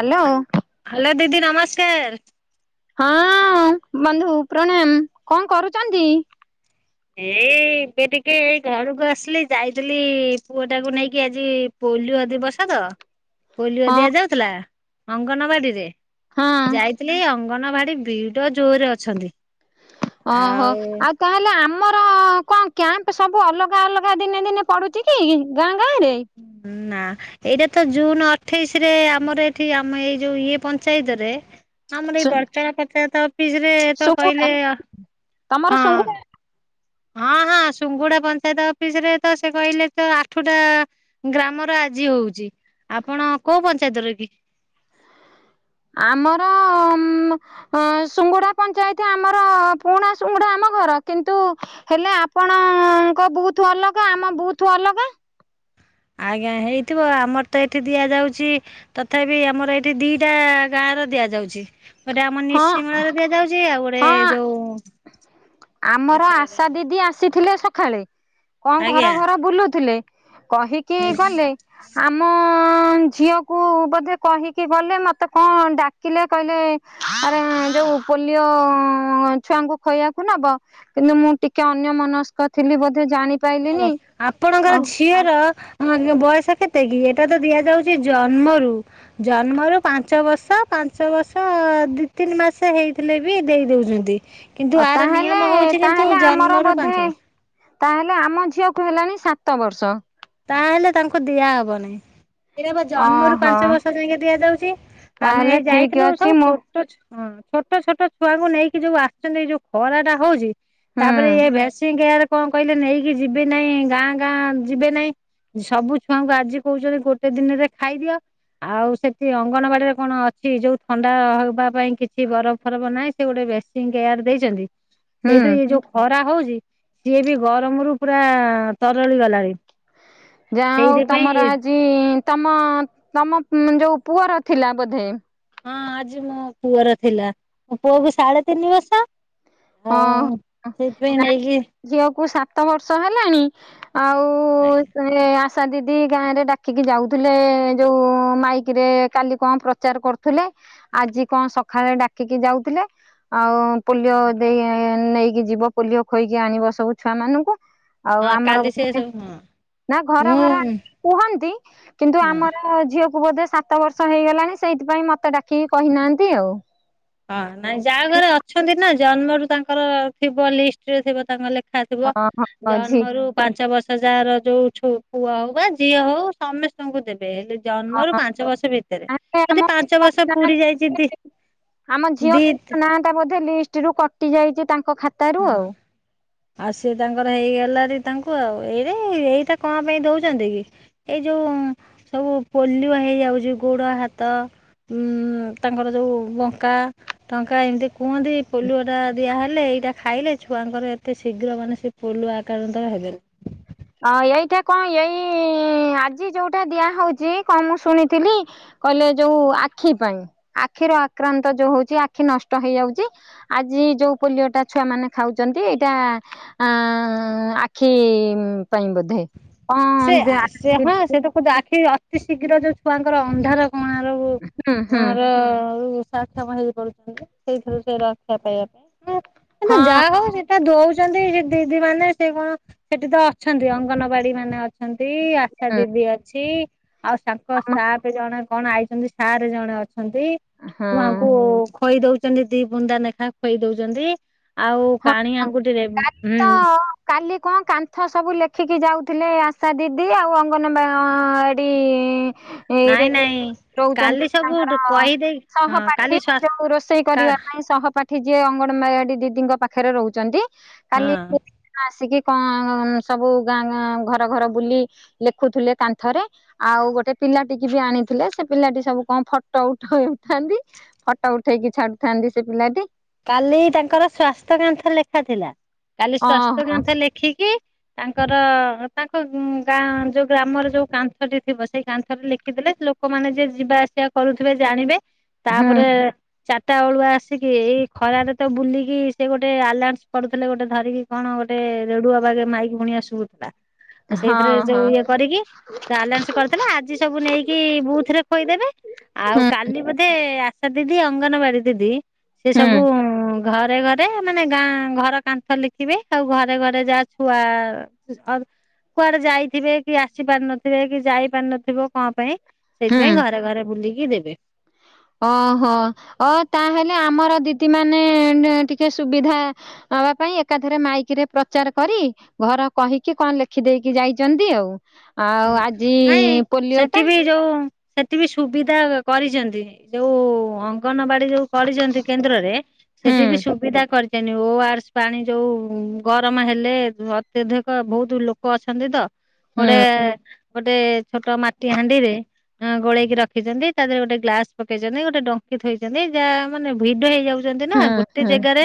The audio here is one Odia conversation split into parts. ହାଲୋ, ହ୍ୟାଲୋ ଦିଦି ନମସ୍କାର। ହଁ, ବନ୍ଧୁ ପ୍ରଣାମ। କ'ଣ କରୁଛନ୍ତି? ଏଇ, ଏବେ ଟିକେ ଏଇ ଘରକୁ ଆସିଲି, ଯାଇଥିଲି ପୁଅଟାକୁ ନେଇକି ଆଜି ପ ପୋଲିଓ ଦିବସ ତ। ପୋଲିଓ ହଁ ଦିଆଯାଉଥିଲା, ଅଙ୍ଗନବାଡିରେ ହଁ ଯାଇଥିଲି ଆଉ। ଅଙ୍ଗନବାଡି ଭିଡ଼ ଜୋରରେ ଅଛନ୍ତି। ଓହୋ, ଆଉ ଆଉ ତାହେଲେ ଆମର ଆଉ କ'ଣ କ୍ୟାମ୍ପ ସବୁ ଅଲଗା ଅଲଗା ଦିନେ ଦିନେ ପଡୁଛି କି? ଗାଁ ଗାଁ ରେ? ହମ ନା। ଏଇଟା ତ ଜୁନ ଅଠେଇଶି ରେ ଆମର ଏଠି ଆମ ଏଇ ଯୋଉ ଇଏ ପଞ୍ଚାୟତ ରେ ଆମର ସୁ ଏଇ ବଡ଼ତଳା ପଞ୍ଚାୟତ ଅଫିସରେ ତ ସୁଙ୍ଗୁଡା କହିଲେ ତମର ହଁ, ସୁଙ୍ଗୁଡା ହଁ, ହଁ, ସୁଙ୍ଗୁଡା ପଞ୍ଚାୟତ ଅଫିସ ରେ ତ ସେ କହିଲେ ତ ଆଠଟା ଗ୍ରାମରା ଆଜି ହଉଛି, ଆପଣ କୋଉ ପଞ୍ଚାୟତରେ କି? ଆମର ଉମମ୍ ଅଁ ସୁଙ୍ଗୁଡା ପଞ୍ଚାୟତ ଆମର ପୁରୁଣା ସୁଙ୍ଗୁଡା ଆମ ଘର, କିନ୍ତୁ ହେଲେ ଆପଣଙ୍କ ବୁଥ ଅଲଗା ଆମ ବୁଥ ଅଲଗା। ଆଜ୍ଞା, ହେଇଥିବ ଆମର ତ ଏଇଠି ଦିଆଯାଉଛି ତଥାପି ଆମର ଏଇଠି ଦିଟା ଗାଁ ଦିଆଯାଉଛି ଗୋଟେ ଆମର ହଁ ନିଶି ମେଳାର ଦିଆଯାଉଛି, ଆଉ ଗୋଟେ ହଁ ଯୋଉଁ ଆମର ଆଶା ଦିଦି ଆସିଥିଲେ ସକାଳେ, କଣ ଆଜ୍ଞା। ଘର ଘର ବୁଲୁଥିଲେ। କହିକି ଗଲେ, ଆମ ଝିଅକୁ ବୋଧେ କହିକି ଗଲେ ମତେ କଣ ଡାକିଲେ କହିଲେ ଆରେ ଯୋଉଁ ପୋଲିଓଓ ଛୁଆଙ୍କୁ ଖୋଇଆକୁ ନବ କିନ୍ତୁ ମୁଁ ଟିକେ ଅନ୍ୟ ମନସ୍କ ଥିଲି ବ ନାଇ ନାଇ ଆପଣଙ୍କର ଝିଅର ହଁ ବୟସ କେତେ କି? ଏଟା ତ ଦିଆଯାଉଛି ଜନ୍ମରୁ, ଜନ୍ମରୁ ପାଞ୍ଚ ବର୍ଷ ପା ପାଞ୍ଚ ବର୍ଷ ଦି ତିନି ମାସ ହେଇଥିଲେ ବି ଦେଇ ଦଉଛନ୍ତି। କିନ୍ତୁ ଅ ଆର ତାହେଲେ ନିୟମ ହଉଛି କିନ୍ତୁ ତାହେଲେ ଆମର ଜନ୍ମରୁ ପାଞ୍ଚ ବୋଧେ ବର୍ଷ ତାହେ ଆମ ଝିଅକୁ ହେଲାଣି ସାତ ବର୍ଷ ତାହେଲେ ତାଙ୍କୁ ଦିଆ ହବ ନାହି। ଏଟା ବା ଜନ୍ମରୁ ଓହୋ ପାଞ୍ଚ ବର୍ଷ ଯାଇକେ ଦିଆଯାଉଛି, ଆମେ ତାହେଲେ ଏଇ ଠିକ ଯାଇଥିଲୁ ଅଛି ସବୁ ମୁଁ ଛୋଟ ଛୁ ହଁ, ଛୋଟ ଛୋଟ ଛୁଆଙ୍କୁ ନେଇକି ଯୋଉ ଆସିଛନ୍ତି ଏଇ ଯୋଉ ଖରାଟା ହଉଛି, ହୁଁ ତା'ପରେ ଏ ଭେଶୀଙ୍ଗ କେୟାର କ'ଣ କହିଲେ ନେଇକି ଯିବି ନାଇ ଗାଁ ଗାଁ ଯିବେ ନାହିଁ। ସବୁ ଛୁଆଙ୍କୁ ଆଜି କହୁଛନ୍ତି ଗୋଟେ ଦିନରେ ଖାଇଦିଅ। ଆଉ ସେଠି ଅଙ୍ଗନବାଡିରେ କଣ ଅଛି ଯୋଉ ଥଣ୍ଡା ହବା ପାଇଁ କିଛି ବରଫ ଫରଫ ନାହିଁ ସେ ଗୋଟେ ବେଶୀଙ୍ଗି କେୟାର ଦେଇଛନ୍ତି, ହୁଁ। ସେଇଥିରେ ଏ ଯୋଉ ଖରା ହଉଛି। ସିଏ ବି ଗରମରୁୁ ପୁରା ତରଳି ଗଲାରି। ଯାହା ହଉ ତମର ଆଜି ତମ ତମ ଉମ୍ ଯୋଉ ପୁଅର ଥିଲା ବୋଧେ। ହଁ ଆଜି ମୋ ପୁଅର ଥିଲା ମୋ ପୁଅକୁ ସାଢେ ତିନି ବର୍ଷ। ହଁ ସେଇଥି ପାଇଁ ନେଇକି ଝିଅକୁ ସାତ ବର୍ଷ ହେଲାଣି ଆଉ ସେ ଆଶା ଦିଦି ଗାଁରେ ଡାକିକି ଯାଉଥିଲେ ଯୋଉ ମାଇକିରେ କାଲି କଣ ପ୍ରଚାର କରୁଥିଲେ। ଆଜି କଣ ସକାଳେ ଡାକିକି ଯାଉଥିଲେ ଆଉ ପୋଲିଓ। ଦେଇ ନେଇକି ଯିବ ପୋଲିଓ ଖୋଇକି ଆଣିବ ସବୁ ଛୁଆ ମାନଙ୍କୁ ଆଉ ହଁ ଆମର କାଲି ସେ ବୋଧେ ସବୁ ହଁ ନା ଘର ଘର ମୁଁ କୁହନ୍ତି କିନ୍ତୁ ହଁ ଆମର ଝିଅ ବୋଧେ ସାତ ବର୍ଷ ହେଇଗଲାଣି ସେଇଥିପାଇଁ ମତେ ଡାକିକି କହିନାହାନ୍ତି ଆଉ। ହଁ ନାଇଁ ଯାହା ଘରେ ଅଛନ୍ତି ନା ଜନ୍ମରୁୁ ତାଙ୍କର ଥିବ ଲିଷ୍ଟରେ ଥିବ ତାଙ୍କର ଲେ ଲେଖାଥିବ ଓହୋ ଝି ଜନ୍ମରୁ ପାଞ୍ଚ ବର୍ଷ। ଯାହାର ଯୋଉଛୁ ପୁଅ ହଉ ବା ଝିଅ ହଉ ସମସ୍ତଙ୍କୁ ଦେବେ ହେଲେ ହଁ ଜନ୍ମରୁ ପାଞ୍ଚ ବର୍ଷ ଭିତର ତାହେଲେ ଯଦି ଆମ ପାଞ୍ଚ ଝିଅ ବର୍ଷ ନାଁ ପୁରି ଯାଇଛନ୍ତି। ଆମ ଝିଅ ତାଙ୍କ ନାଁ ଟା ବୋଧେ ଲିଷ୍ଟରୁୁ କଟି ଯାଇଛି ତାଙ୍କ ଖାତାରୁ ହଁ ଆଉ। ଆଉ ସିଏ ତାଙ୍କର ହେଇଗଲା। ତାଙ୍କୁ ଆଉ ଏଇରେ ଏଇଟା କଣ ପାଇଁ ଦଉଛନ୍ତି କି ଏଇ ଯୋଉ ସବୁ ପୋଲିଓ। ହେଇଯାଉଛି ଗୋଡ ହାତ ଉଁ ତାଙ୍କର ଯୋଉ ବଙ୍କାଟଙ୍କା ଏନ୍ତି କୁହନ୍ତି ପୋଲିଓ ଟା ଦିଆହେଲେ ଏ। ଖାଇଲେ ଛୁଆଙ୍କର ଏତେ ଶୀଘ୍ର ମାନେ ସେ ପୋଲ ଆକ୍ରାନ୍ତ ହେବେନି। ଅ ଏଇଟା କଣ ଏଇ ଆଜି ଯୋଉଟା ଦିଆହଉଛି କଣ ମୁଁ ଶୁଣିଥିଲି। କହିଲେ ଯୋଉ ଆଖି ପାଇଁ ଆଖିର ଆକ୍ରାନ୍ତ ଯୋଉ ହଉଛି ଆଖି ନଷ୍ଟ ହେଇଯାଉଛି ଆଜି ଯୋଉ ପୋଲିଓଟା ଛୁଆମାନେ ଖାଉଛନ୍ତି ଏଇଟା ଆ ଆଖି ପାଇଁ ବୋଧେ। କଣ ସେ ଦେ ସେ ହଁ ସେ ତାକୁ ଆଖି ଅତି ଶୀଘ୍ର ଯୋଉ ଛୁଆଙ୍କର ଅନ୍ଧାର। କଣାର ହୁଁ ହୁଁ। ସାକ୍ଷମ ହେଇ ପାରୁଛନ୍ତି ସେଇଥିରୁ ସେ ରକ୍ଷା ପାଇବା ହଁ ପାଇଁ ଯାହା ହଉ ସେଇଟା ଦଉ ଛନ୍ତି ଦିଦି ମାନେ ସେ କଣ ସେଠି ତ ଅଛନ୍ତି ଅଙ୍ଗନବାଡି ମାନେ ଅଛନ୍ତି ଆଶା ହଁ ଦିଦି ଅଛି ଆଉ ତାଙ୍କ ଆମ ସାପେ ଜଣେ। କଣ ଆଇଛନ୍ତି ସାର୍ ଜଣେ ଅଛନ୍ତି। ମୁଁ ହଁ। ଆଙ୍କୁ ଖୋଇ ଦଉଛି ଛନ୍ତି ଦି ବୁନ୍ଦା ଲେଖା ଖଇ ଦଉଛନ୍ତି, ଆଉ ହଁ କାଣି ଆଙ୍ଗୁଠିରେ କାଲି ହୁଁ। ତ କାଲି କଣ କାନ୍ଥ ସବୁ ଲେଖିକି ଯାଉଥିଲେ ଆଶା ଦିଦି ଆଉ ଅଙ୍ଗନବାଡି। ଏଇରେ ନାଇଁ, ନାଇଁ। କାଲି ରହୁଛନ୍ତି ସବୁ ତାଙ୍କର କହିଦେଇ ହଁ ସହପାଠୀ କାଲି ସ୍ୱା ହଁ ତାକୁ ରୋଷେଇ କରିବା ପାଇଁ ସହପାଠୀ। ଏଠି ଯିଏ ଅଙ୍ଗନବାଡ଼ି ଦିଦିଙ୍କ ପାଖରେ ରହୁଛନ୍ତି କାଲି [unintelligible] ଆସିକି। କଣ ସବୁ ଗାଁ ଗାଁ ଘର ଘର ବୁଲି ଲେଖୁଥିଲେ କାନ୍ଥରେ ଆଉ ଗୋଟେ। ପିଲାଟିକି ବି ଆଣିଥିଲେ ସେ ପିଲାଟି ସବୁ କଣ ଫଟୋ ଉଠ ଉଠାନ୍ତି ଫଟୋ ଉଠେଇକି ଛାଡୁଥାନ୍ତି। ସେ ପିଲାଟି। କାଲି ତାଙ୍କର ସ୍ଵାସ୍ଥ୍ୟ କାନ୍ଥ ଲେଖା ଥିଲା କାଲି ସ୍ଵାସ୍ଥ୍ୟ ଓହୋ କାନ୍ଥ ଲେଖିକି। ତାଙ୍କର ତାଙ୍କ ଗାଁ ଯୋଉ ଗ୍ରାମର ଯୋଉ କାନ୍ଥଟି ଥିବ ସେଇ କାନ୍ଥଟି ଲେଖିଦେଲେ। ଲୋକମାନେ ଯେ ଯିବା ଆସିବା କରୁଥିବେ ଜାଣିବେ। ହୁଁ ତାପରେ ଚାରିଟା ବେଳୁଆ ଆସିକି ଖରାରେ ତ ବୁଲିକି ସେ ଗୋଟେ ଆଲନ୍ସ କରୁଥିଲେ ଗୋଟେ ଧରିକି କଣ ଗୋଟେ ରେଡୁଅ ବାଗେ ମାଇକି ଫୁଣି। ଶୁବୁଥିଲା ଆଉ ସେଇଥିରେ ହଁ ଯୋଉ ହଁ ଇଏ କରିକି। ଆଲାନ୍ସ କରିଦେଲେ ଆଜି ସବୁ ନେଇକି ବୁଥ୍ ରେ ଖୋଇଦେବେ ଆଉ ହୁଁ କାଲି ବୋଧେ ଆସ ଦିଦି ଅଙ୍ଗନବାଡି ଦିଦି ସେ ହୁଁ ସବୁ ଘରେ ଘରେ ମାନେ ଗାଁ ଘର କାନ୍ଥ ଲେଖିବେ ଆଉ ଘରେ ଘରେ ଯାହା ଛୁଆ ଅ କୁଆଡେ ଯାଇଥିବେ କି ଆସି ପାର ନଥିବେ କି ଯାଇ ପାର ନଥିବ କଣ ପାଇଁ। ହୁଁ ସେଇଥିପାଇଁ ଘରେ ଘରେ ବୁଲିକି ଦେବେ। ଓହୋ ଓ ତାହେଲେ ଆମର ଦିଦି ମାନେ ଟିକେ ସୁବିଧା। ତା ପାଇଁ ଏକାଥରେ ମାଇକିରେ ପ୍ରଚାର କରି ଘର କହିକି କଣ ଲେଖିଦେଇକି ଯାଇଛନ୍ତି ଆଉ। ହୁଁ ଆଉ ଆଜି ନାଇଁ ପୋଲିଓ ସେଠି ଟା। ବି ଯୋଉ ସେଠି ବିି ସୁବିଧା କରିଛନ୍ତି ଯୋଉ। ଅଙ୍ଗନବାଡି ଯୋଉ କରିଛନ୍ତି କେନ୍ଦ୍ରରେ ହୁଁ ସେଠି ବି ସୁବିଧା କରି ଚେନି ଓ ଆର ସ୍ ପାଣି ଯଉଁ ଗରମ ହେଲେ ଅତ୍ୟଧିକ ବହୁତୁ ଲୋକ ଅଛନ୍ତି ତ। ହୁଁ ଗୋଟେ ଗୋଟେ ଛୋଟ ମାଟି ହାଣ୍ଡିରେ। ଉଁ ଗୋଳେଇକି ରଖିଛନ୍ତି ତା ଦେହରେ ଗୋଟେ ଗ୍ଲାସ ପକେଇଛନ୍ତି ଗୋଟେ ଡଙ୍କି ଥୋଇଛନ୍ତି ଯାହା ମାନେ ଭିଡ ହେଇଯାଉ ଛନ୍ତି ନା ହୁଁ ଗୋଟେ ହୁଁ ଜାଗାରେ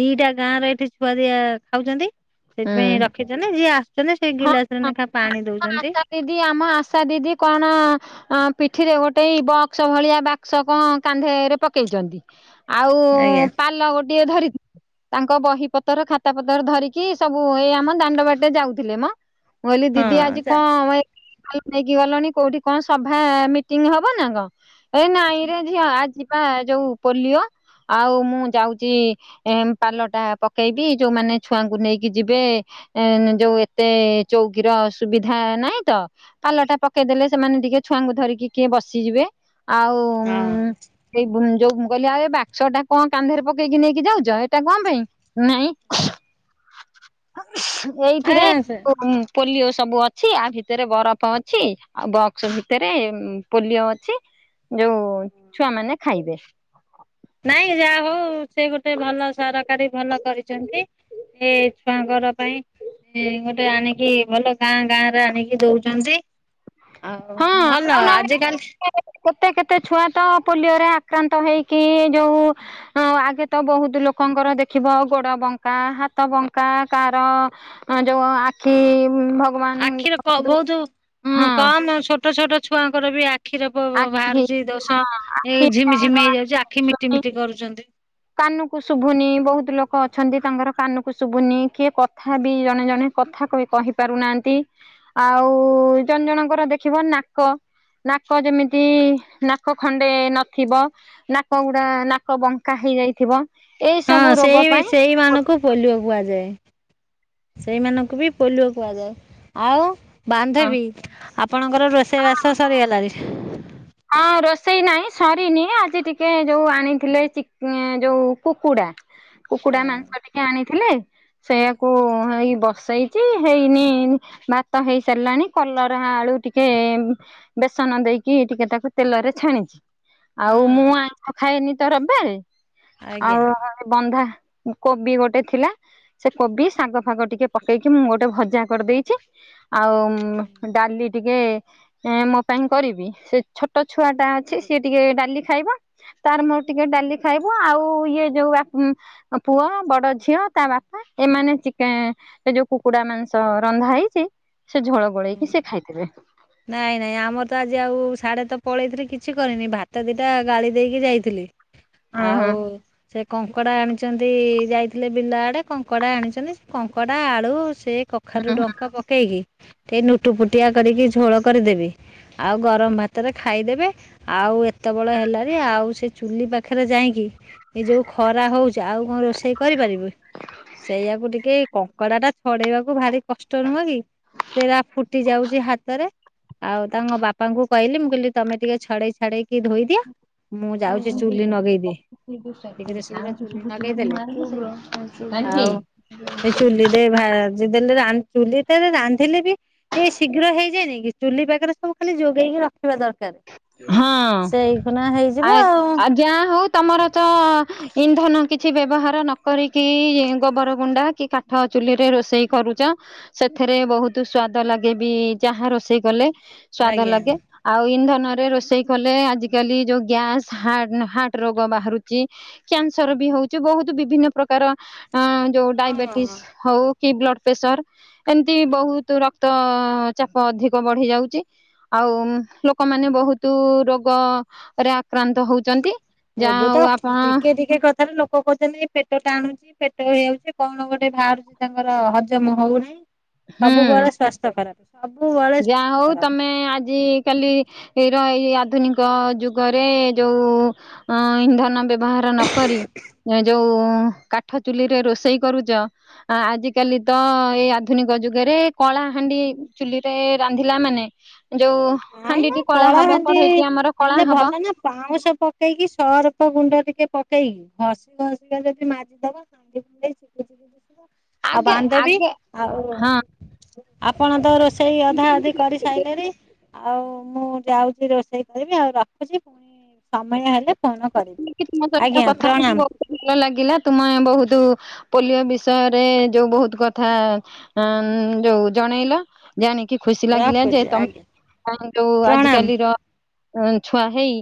ଦିଟା ଗାଁ ର ଏଠି ସୁଆଦିଆ ଖାଉଛନ୍ତି। ହୁଁ ସେଥିପାଇଁ ରଖିଛନ୍ତି ଯିଏ ଆସୁଛନ୍ତି ସେଇ ହଁ ଗିଲାସ ରେ ନେଖା ପାଣି ଦଉ ଆମ ଆଶା ଦିଦି ଆମ ଆଶା ଦିଦି କଣ। ଆଁ ପିଠିରେ ଗୋଟେଇ ବକ୍ସ ଭଳିଆ ବାକ୍ସ କଣ କାନ୍ଧେରେ ପକେଇଚନ୍ତି। ଆଉ ଆଜ୍ଞା ପାଲ ଗୋଟିଏ ଧରି ତାଙ୍କ ବହି ପତ୍ର ଖାତା ପତର ଧରି। କି ସବୁ ଏଇ ଆମ ଦାଣ୍ଡ ବାଟେ ଯାଉଥିଲେ ମ ମୁଁ କହିଲି ହଁ ଦିଦି ଆଜି କ ଯା ମ ଏ ନେଇକି ଗଲଣି କୋଉଠି କଣ ସଭା ମିଟିଂ ହବ ନା କଣ ଏ ନାଇଁରେ ଝିଅ ଆଜି। ପା ଯୋଉ ପୋଲିଓ। ଆଉ ମୁଁ ଯାଉଛି ଏ ପାଲଟା ପକେଇବି ଯୋଉମାନେ ଛୁ ଛୁଆଙ୍କୁ ନେଇକି ଯିବେ ଏନ ଯୋଉ ଏତେ ଚୌକିର ସୁୁବିଧା ନାହିଁ ତ ପା ଲ ଟା ପକେଇଦେଲେ ସେମାନେ ଟିକେ ଛୁଆଙ୍କୁ ଧରିକି କିଏ ବସିଯିବେ। ଆଉ ଉଁ ହଁ ସେଇ ବୁ ଯୋଉ ମୁଁ କହିଲି ଆଉ ଏ ବାକ୍ସ ଟା କଣ କାନ୍ଧରେ ପକେଇକି ନେଇକି ଯାଉଛ ଏଇଟା କଣ ପାଇଁ ନାଇଁ। ଆ ଏଇଥିରେ ସେ ଉଁ ପୋଲିଓ ସବୁ ଅଛି ଆ ଭିତରେ ବରଫ ଅଛି ଆଉ ବକ୍ସ ଭିତରେ ଉଁ ପୋଲିଓ ଅଛି। ଯୋଉ ଛୁଆ ମାନେ ଖାଇବେ। ନାଇଁ ଯାହା ହଉ ସେ ଗୋଟେ ଭଲ ସରକାରୀ ଭଲ କରିଛନ୍ତି। ଏ ଛୁଆଙ୍କର ପାଇଁ। ଆଁ ଗୋଟେ ଆଣିକି ଭଲ ଗାଁ ଗାଁ ରେ ଆଣିକି ଦଉଛନ୍ତି। ଆଉ ହଁ ଭଲ ଆଉ ନହଲେ ଆଜିକାଲି। କେତେ କେତେ ଛୁଆ ତ ପୋଲିଓରେ ଆକ୍ରାନ୍ତ ହେଇକି ଯୋଉ ଉଁ ଆଗେ ତ ବହୁତ ଲୋକଙ୍କର ଦେଖିବ ଗୋଡ ବଙ୍କା ହାତ ବଙ୍କା କାର ଯୋଉ ଆ ଖି ଭଗବାନ କରନ୍ତୁ। ହୁଁ କମ ଛୋଟ ଛୋଟ ଛୁଆଙ୍କର ବି ଆ ଆଖିର ଆଖି ବ-ବାହାରୁଛି ଦୋଷ ହଁ ଏ ଆଖି ଝିମି ଝିମି ହେଇଯାଉଛି ଆଖି ମିଟି ଶୁଣି ମିଟି କରୁଛନ୍ତି। କାନକୁ ଶୁଭୁନି ବହୁତ ଲୋକ ଅଛନ୍ତି ତାଙ୍କର। କାନକୁ ଶୁଭୁନି କିଏ କଥା ବି ଜଣେ ଜଣେ କଥା କ-କହି ପାରୁନାହାନ୍ତି ଆଉ ଉଁ ଜଣ ଜଣଙ୍କର ଦେଖିବ ନାକ। ନାକ ଯେମିତି ନାକ ଖଣ୍ଡେ ନଥିବ ନାକ ଗୁଡା ନାକ ବଙ୍କା କା ହେଇଯାଇଥିବ। ଏଇ ସବୁ ହଁ ରୋଗ ସେଇ ପାଇଁ ସେଇମାନଙ୍କୁ ପୋଲିଓ କୁହାଯାଏ। ସେଇମାନଙ୍କୁ ବି ପୋଲିଓ କୁହାଯାଏ ଆଉ। ବାନ୍ଧବୀ ଆପଣଙ୍କର ରୋଷେଇ ବାସ ସରିଗଲାଣି? ହଁ ରୋଷେଇ ନାହିଁ ସରିନି ଆଜି ଟିକେ ଯୋଉ ଆଣିଥିଲେ ଚି ଏଁ ଯୋଉ କୁକୁଡା। କୁକୁଡା ମାଂସ ଟିକେ ଆଣିଥିଲେ। ସେୟାକୁ ଏଇ ବସେଇଛି ହେଇନି ଭାତ ହେଇସାରିଲାଣି କଲରା। ଆଳୁ ଟିକେ ବେସନ ଦେଇକି ଟିକେ ତା ତେଲରେ ଛାଣିଛି ଆଉ ହଁ ମୁଁ ଆଇଁଷ ଖାଏନି ତ ରବବାରେ। ଆଉ ଆଜ୍ଞା ବନ୍ଧା। କୋବି ଗୋଟେ ଥିଲା ସେ କୋବି ଶାଗ ଫାଗ ଟିକେ ପକେଇକି ମୁଁ ଗୋଟେ ଭଜା କରିଦେଇଛି। ଆଉ ଉଁ ଡାଲି ଟିକେ ଏଁ ମୋ ପାଇଁ କରିବି ସେ ଛୋ ଟ ଛୁଆ ଟା ଅଛି ସିଏ ଟିକେ ଡାଲି ଖାଇବ ତାର ମୋର ଟିକେ ଡାଲି ଖାଇବୁ ଆଉ ଇଏ ଯୋଉ ଆ ଉଁ ପୁଅ ବଡ ଝିଅ ତା ବାପା ଏମାନେ ଚିକେଁ ଏ ଯୋଉ କୁକୁଡା ମାଂସ ର ରନ୍ଧା ହେଇଛି ସେ ଝୋଳ ଗୋଳେଇକି ସେ ଖାଇଦେବେ। ନାଇଁ ନାଇଁ ଆମର ତ ଆଜି ଆଉ ସାଡେ ତ ପଳେଇଥିଲି କିଛି କରିନି ଭାତ ଦୁଇଟା ଗାଳି ଦେଇକି ଯାଇଥିଲି। ହୁଁ ଆଉ ହୁଁ ସେ କଙ୍କଡା ଆଣିଛନ୍ତି ଯାଇଥିଲେ ବିଲ ଆଡେ କଙ୍କଡା ଆଣିଛନ୍ତି କଙ୍କଡା ଆଳୁ ସେ କଖାରୁୁ ହୁଁ ହୁଁ। ଡଙ୍କା ପକେଇକି ସେ ନୁଟୁ ପୁଟିଆ କରିକି ଝୋଳ କରିଦେବି। ଆଉ ଗରମ ଭାତରେ ଖାଇଦେବ। ଆଉ ଏତେବେଳ ହେଲାଣି ଆଉ ସେ ଚୁଲି ପାଖରେ ଯାଇକି ଏଇ ଯୋଉ ଖରା ହଉଛି ଆଉ କଣ ରୋଷେଇ କରିପାରିବ, ସେଇଆକୁ ଟିକେ କଙ୍କଡା ଟା ଛଡେଇବାକୁ ଭାରି କଷ୍ଟ ନୁହଁ କି, ସେରା ଫୁଟି ଯାଉଛି ହା ତରେ ଆଉ ତାଙ୍କ ବାପାଙ୍କୁ କହିଲି ମୁଁ କହିଲି ତମେ ଟିକେ ଛଡେଇ ଛାଡେଇକି ଧୋଇଦିଅ ମୁଁ ଯାଉଛି ଚୁଲି ନଗେଇଦିଏ। [unintelligible] ଏ ଚୁଲିରେ ଭାଜି ଦେଲେ ଚୁଲିଟେ ରେ ରାନ୍ଧିଲେ ବି ଏ ଶୀଘ୍ର ହେଇ ଚୁଲି ପାଖରେ ସବୁ ଖାଲି ଯୋଗେଇକି ରଖିଥିବା ଦରକାର। ହଁ ସେଇ ଖୁଣା ହେଇଯିବ ଆ ଆଉ ଆଜ୍ଞା ହଉ ତମର ତ ଇନ୍ଧନ କିଛି ବ୍ୟବହାର ନ କରିକି ଗୋବର ଗୁଣ୍ଡା କି କାଠ ଚୁଲିରେ ରୋଷେଇ କରୁଚ। ସେଥିରେ ବହୁତ ସ୍ଵାଦ ଲାଗେ ବି ଯାହା ରୋଷେଇ କଲେ। ସ୍ଵାଦ ଆଜ୍ଞା। ଲାଗେ ଆଉ ଇନ୍ଧନ ରେ ରୋଷେଇ କଲେ ଆଜିକାଲି ଯୋଉ ଗ୍ୟାସ ହାଟ୍ ହାର୍ଟ ରୋଗ ବାହାରୁଚି। କ୍ୟାନ୍ସର ବି ହଉଚି। ବହୁତ ବିଭିନ୍ନ ପ୍ରକାର ଅ ଯୋଉ ଡାଇବେଟିସ୍ ହଁ ହଉ କି ବ୍ଲଡ ପ୍ରେସର ଏମିତି ବହୁତ ରକ୍ତ ଚାପ ଅଧିକ ବଢି ଯାଉଚି। ଆଉ ଲୋକମାନେ ବହୁତ ରୋଗରେ ଆକ୍ରାନ୍ତ ହଉଛନ୍ତି। ଯାହା ଏବେ ତ ହଉ ଆପଣ ଟିକେ ଟିକେ କଥାରେ ଲୋକ ଲୋକ କହୁଛନ୍ତି କି ପେଟ ଟାଣୁଛି ପେଟ ହେଇଯାଉଛି କଣ ଗୋଟେ ବାହାରୁଛି ତାଙ୍କର ହଜମ ହଉନି। ହୁଁ ସବୁ ବେଳେ ସ୍ଵାସ୍ଥ୍ୟ ଖରାପ। ସବୁବେଳେ ଯାହା ସ୍ୱାସ୍ଥ୍ୟ ହଉ ଖରାପ। ତମେ ଆଜି କାଲି ର ଏଇ ଆଧୁନିକ ଯୁଗରେ ଯୋଉ ଅ ଇନ୍ଧନ ବ୍ୟ ବ୍ୟବହାର ନ କରି ଯୋଉ କାଠ ଚୁଲିରେ ରୋଷେଇ କରୁଚ। ଆଜିକାଲି ତ ଏଇଆଧୁନିକ ଯୁଗ ରେ କଳା ହାଣ୍ଡି ଚୁଲିରେ ରାନ୍ଧିଲା ମାନେ ଯୋଉ ନାଇଁ ନାଇ ହାଣ୍ଡିଟି କଳା ହବ କଳାହାଣ୍ଡି କଢେଇଟି ଆମର କଳା ହେଲେ ହବ ଭଲ ନା ପାଉଁଶ ପକେଇକି ସର୍ଫ ଗୁଣ୍ଡ ଟିକେ ପକେଇ ଘସ୍ ଘସିକା ଯଦି ମାଜିଦବା। [unintelligible] ଆଉ ଆଗେ ବାନ୍ଦବୀ ଆଗେ ଆଉ ହଁ ଆପଣ ତ ରୋଷେଇ ଅଧା ଅଧି କରି ସାରଲେରି ଆଉ ମୁଁ ଯାଉଛି ରୋଷେଇ କରିବି। ଆଉ ରଖୁଛି ପୁଣି ସମୟ ହେଲେ ଫୋନ କରିବି। ତମ ସହିତ ଆଜ୍ଞା କଥା ହେଇକି ପ୍ରଣାମ ବହୁତ ଭଲ ଲାଗିଲା। ତୁମେ ବହୁତ ପୋଲିଓ ବିଷୟରେ ଯୋଉ ବହୁତ କଥା ଯୋଉ ଜଣେଇଲ। ଜାଣିକି ଖୁସି ଲାଗିଲା ଯେ ରଖୁଛି ଆଜ୍ଞା ତମେ ଯୋଉ ପ୍ରଣାମ। ଆଜିକାଲିର ଛୁଆ ହେଇ